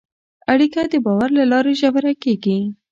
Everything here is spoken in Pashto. اړیکه د باور له لارې ژوره کېږي.